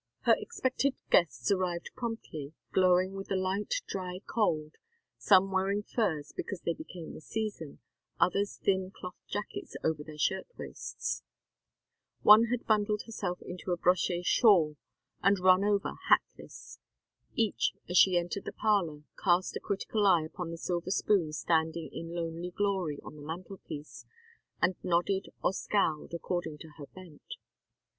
Her expected guests arrived promptly, glowing with the light dry cold, some wearing furs because they became the season, others thin cloth jackets over their shirt waists. One had bundled herself into a broché shawl and "run over" hatless. Each, as she entered the parlor, cast a critical eye upon the silver spoon standing in lonely glory on the mantel piece, and nodded or scowled, according to her bent.